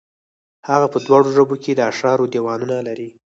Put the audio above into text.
هغه په دواړو ژبو کې د اشعارو دېوانونه لري.